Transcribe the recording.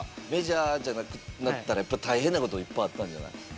メジャーじゃなくなったらやっぱ大変なこともいっぱいあったんじゃない？